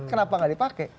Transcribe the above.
kenapa nggak dipakai